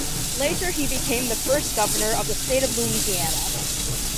Later he became the first Governor of the state of Louisiana.